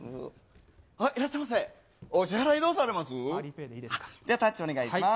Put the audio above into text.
いらっしゃいませ、お支払いどうします？